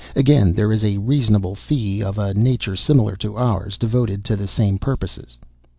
Again, there is a reasonable fee of a nature similar to ours, devoted to the same purposes.